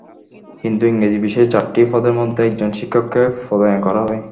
কিন্তু ইংরেজি বিষয়ে চারটি পদের মধ্যে একজন শিক্ষককে পদায়ন করা হয়।